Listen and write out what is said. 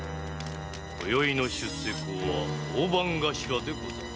今宵の出世講は大番頭でござる。